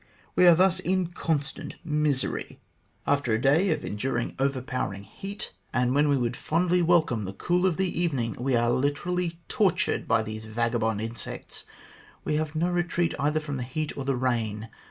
We are thus in constant misery. After enduring a day of overpowering THE FOUNDING OF THE COLONY 43 heat, and when we would fondly welcome the cool of the evening, we are literally tortured by these vagabond insects. We have no retreat either from the heat or the rain.